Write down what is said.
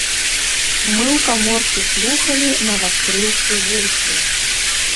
Мы ў каморцы слухалі, навастрыўшы вушы.